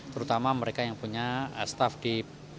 terutama mereka yang punya staff di